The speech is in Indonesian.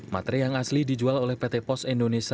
materai yang asli dijual oleh pt polres bandung